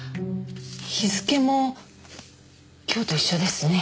日付も今日と一緒ですね。